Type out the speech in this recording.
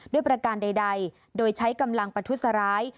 ประการใดโดยใช้กำลังประทุษร้าย